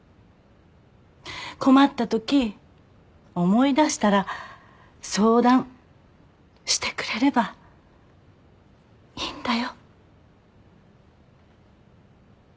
困ったとき思い出したら相談してくれればいいんだよ。